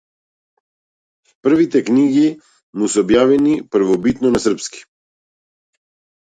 Првите книги му се објавени првобитно на српски.